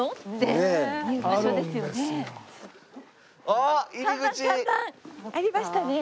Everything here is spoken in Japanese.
ありましたね。